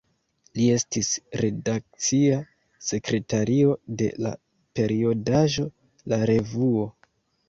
Li estis redakcia sekretario de la periodaĵo "La Revuo".